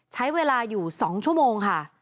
ใช้เวลาอยู่๒ชั่วโมงค่ะ